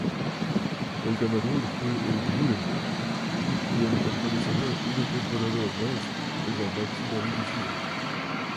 El ganador fue el Núremberg, quien permanecerá una temporada más en la máxima división.